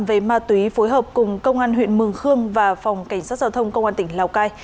về ma túy phối hợp cùng công an huyện mường khương và phòng cảnh sát giao thông công an tỉnh lào cai